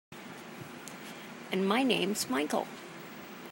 And my name's Michael.